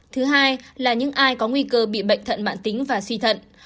thứ hai là những ai có nguy cơ bị bệnh thận mạng tính và suy thận